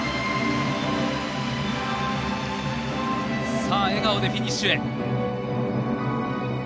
さあ笑顔でフィニッシュへ。